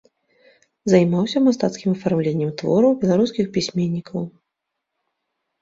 Займаўся мастацкім афармленнем твораў беларускіх пісьменнікаў.